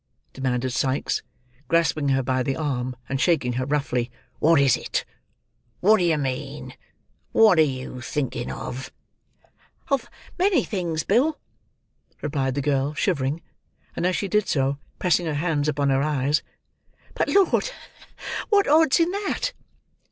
demanded Sikes, grasping her by the arm, and shaking her roughly. "What is it? What do you mean? What are you thinking of?" "Of many things, Bill," replied the girl, shivering, and as she did so, pressing her hands upon her eyes. "But, Lord! What odds in that?"